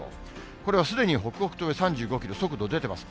これはすでに北北東へ３５キロ、速度出てます。